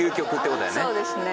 そうですね。